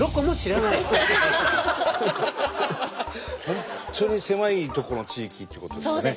本当に狭いとこの地域ってことですかね。